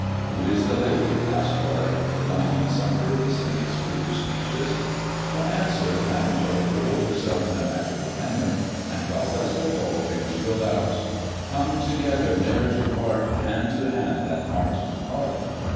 "Who is the ladyl" asked Warwick, divining some purpose in these foolish speeches. For answer Madam Tot whirled herself in a magical manner, and while thus revolving, shrilled out : THE dwarf's chamber 149 " Come together, ne'er to part, Hand to hand, and heart to heart.